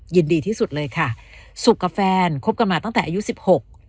ยินดีที่สุดเลยค่ะสุขกับแฟนคบกันมาตั้งแต่อายุสิบหก